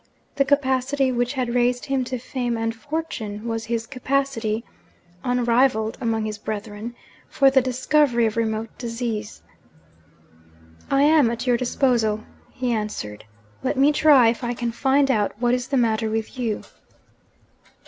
The capacity which had raised him to fame and fortune was his capacity (unrivalled among his brethren) for the discovery of remote disease. 'I am at your disposal,' he answered. 'Let me try if I can find out what is the matter with you.'